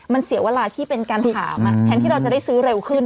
มันเสียเวลาที่เป็นการถามแทนที่เราจะได้ซื้อเร็วขึ้น